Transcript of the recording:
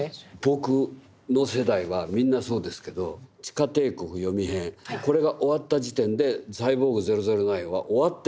僕の世代はみんなそうですけど「地下帝国“ヨミ”編」これが終わった時点で「サイボーグ００９」は終わってます。